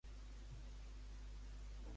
La forma de quin animal pren?